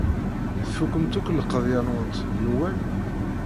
Tfukemt akk lqeḍyan-nwent n Newwal?